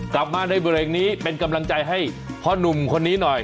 กลับมาในเบรกนี้เป็นกำลังใจให้พ่อนุ่มคนนี้หน่อย